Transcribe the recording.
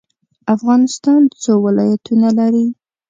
افغانستان څو ولایتونه لري؟